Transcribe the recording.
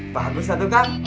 bagus satu kang